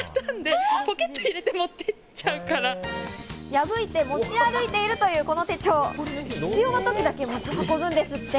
破いて持ち歩いているというこの手帳、必要な時だけ持ち運ぶんですって。